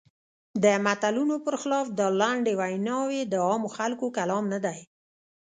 د متلونو پر خلاف دا لنډې ویناوی د عامو خلکو کلام نه دی.